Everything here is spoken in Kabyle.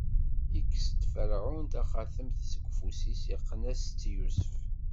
Ikkes-d Ferɛun taxatemt seg ufus-is, iqqen-as-tt i Yusef.